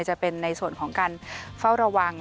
จะเป็นในส่วนของการเฝ้าระวัง